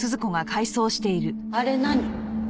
あれ何？